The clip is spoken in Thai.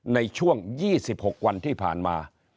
ในช่วง๒๖วันที่ผ่านมา